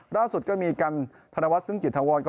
ล่าสุดก็มีกันพระวัสดิ์ซึ้งจิตทวร